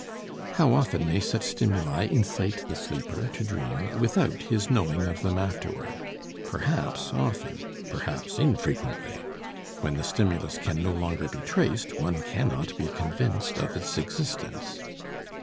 How often may such stimuli incite the sleeper to dream without his knowing of them afterward? Perhaps often, perhaps infrequently; when the stimulus can no longer be traced, one cannot be convinced of its existence.